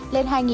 lên hai tỷ đồng